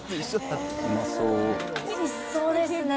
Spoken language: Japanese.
おいしそうですね。